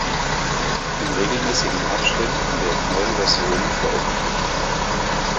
In regelmäßigen Abständen werden neue Versionen veröffentlicht.